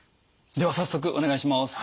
では早速お願いします。